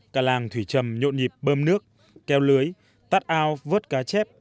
cả làng thủy trầm nhộn nhịp bơm nước keo lưới tắt ao vớt cá chép